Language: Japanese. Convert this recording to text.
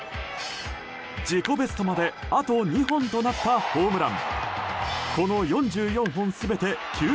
自己ベストまであと２本となったホームラン。